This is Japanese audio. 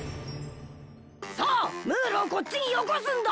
さあムールをこっちによこすんだ。